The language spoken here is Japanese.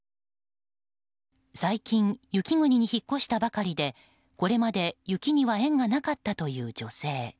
最近、雪国に引っ越したばかりでこれまで雪には縁がなかったという女性。